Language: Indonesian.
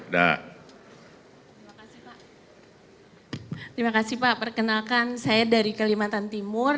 terima kasih pak perkenalkan saya dari kelimatan timur